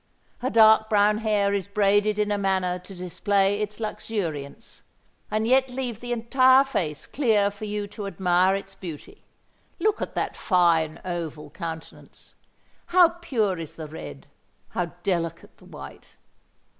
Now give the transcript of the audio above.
Her dark brown hair is braided in a manner to display its luxuriance, and yet leave the entire face clear for you to admire its beauty. Look at that fine oval countenance: how pure is the red—how delicate the white!